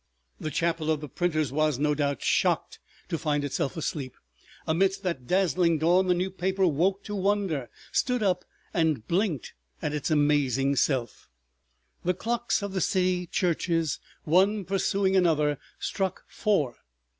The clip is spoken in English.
The chapel of the printers was, no doubt, shocked to find itself asleep. Amidst that dazzling dawn the New Paper woke to wonder, stood up and blinked at its amazing self. ... The clocks of the city churches, one pursuing another, struck four.